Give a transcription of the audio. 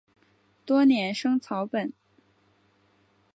多年生草本。